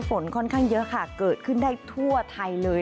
ฝนค่อนข้างเยอะค่ะเกิดขึ้นได้ทั่วไทยเลย